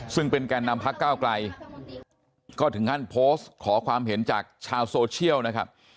ซึ่งเป็นแก่นำพักก้าวไกลก็ถึงขั้นโพสต์ขอความเห็นจากชาวโซเชียลนะครับ